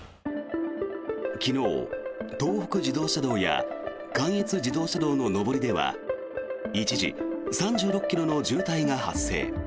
昨日、東北自動車道や関越自動車道の上りでは一時、３６ｋｍの渋滞が発生。